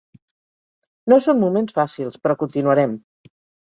No són moments fàcils, però continuarem.